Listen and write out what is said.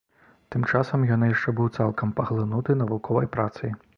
Тым часам ён яшчэ быў цалкам паглынуты навуковай працай.